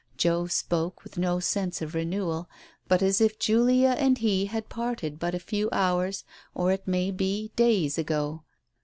Joe spoke with no sense of renewal, but as if Julia and he had parted but a few hours, or it may be days, ago.